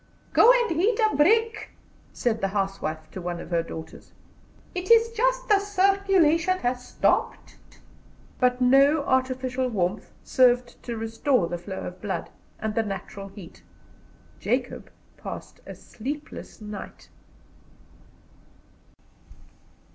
"Go and heat a brick," said the housewife to one of her daughters; "it is just the circulation has stopped." But no artificial warmth served to restore the flow of blood, and the natural heat. Jacob passed a sleepless night.